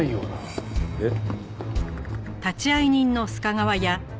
えっ？